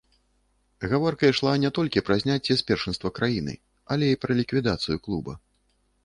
Гаворка ішла не толькі пра зняцце з першынства краіны, але і пра ліквідацыю клуба.